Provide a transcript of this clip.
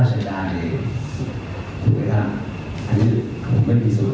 ที่ผมอยู่ที่เกิดเป็นชีวิต